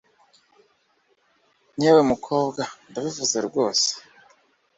yewe mukobwa ndabivuze rwose